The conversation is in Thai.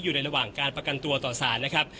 อยู่ในระหว่างการประกันตัวต่อสารนะครับ